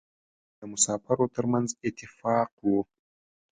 هلته یې د مسافرو ترمنځ اتفاق و.